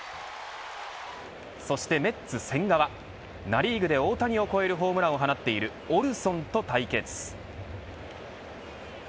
そしてメッツ、千賀はナ・リーグで大谷を超えるホームランを放っているオルソンと対決。